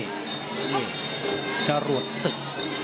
นี่กระรวดสึก